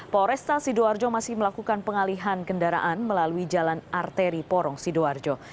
polresta sidoarjo masih melakukan pengalihan kendaraan melalui jalan arteri porong sidoarjo